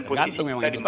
tergantung memang itu